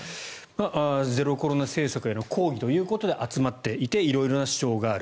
ゼロコロナ政策への抗議ということで集まっていて色々な主張がある。